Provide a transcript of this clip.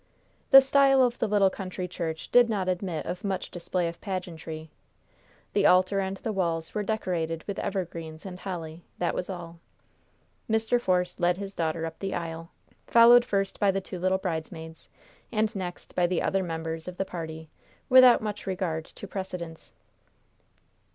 The style of the little country church did not admit of much display of pageantry. The altar and the walls were decorated with evergreens and holly. That was all. Mr. Force led his daughter up the aisle, followed first by the two little bridesmaids, and next by the other members of the party without much regard to precedence.